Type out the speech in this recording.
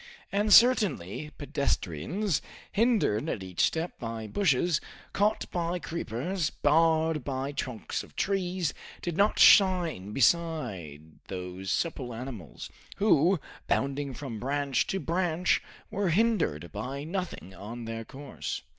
And certainly, pedestrians, hindered at each step by bushes, caught by creepers, barred by trunks of trees, did not shine beside those supple animals, who, bounding from branch to branch, were hindered by nothing on their course.